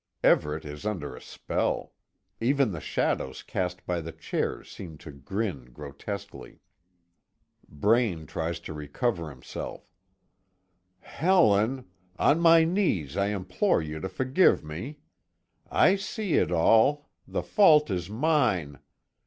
Everet is under a spell. Even the shadows cast by the chairs seem to grin grotesquely. Braine tries to recover himself: "Helen! on my knees I implore you to forgive me. I see it all the fault is mine.